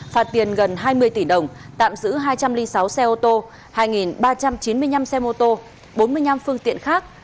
phạt tiền gần hai mươi tỷ đồng tạm giữ hai trăm linh sáu xe ô tô hai ba trăm chín mươi năm xe mô tô bốn mươi năm phương tiện khác